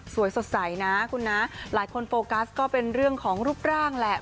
สวยสดใสนะคุณนะหลายคนโฟกัสก็เป็นเรื่องของรูปร่างแหละ